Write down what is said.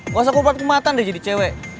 gak usah kopat kupatan deh jadi cewek